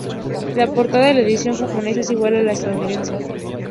La portada de la edición japonesa es igual a la estadounidense.